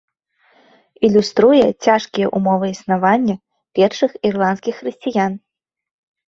Ілюструе цяжкія ўмовы існавання першых ірландскіх хрысціян.